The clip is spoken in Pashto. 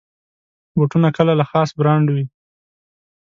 بوټونه کله له خاص برانډ وي.